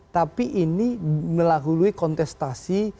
tapi ini melalui kontestasi